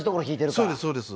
そうですそうです。